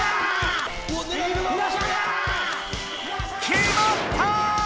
きまった！